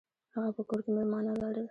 هغه په کور کې میلمانه لرل.